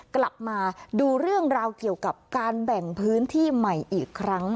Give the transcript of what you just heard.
กลับมาดูเรื่องราวเกี่ยวกับการแบ่งพื้นที่ใหม่อีกครั้ง